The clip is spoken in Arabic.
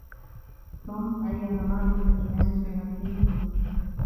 توم عين ماري للقيام بهذه المهمة